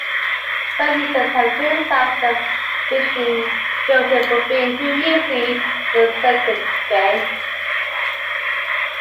Some users have criticised the phishing filter for being too easy to circumvent.